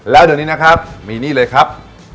แล้วเดี๋ยวนี้นะครับมีนี่เลยครับ